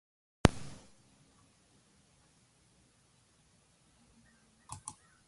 When Koch demanded an apology, Struck replied "Bite me!".